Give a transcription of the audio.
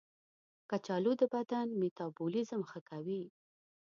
کچالو د بدن میتابولیزم ښه کوي.